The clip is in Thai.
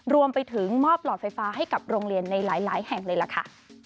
รวมไปถึงมอบหลอดไฟฟ้าให้กับโรงเรียนในหลายแห่งเลยล่ะค่ะ